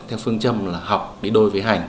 theo phương châm là học đi đôi với hành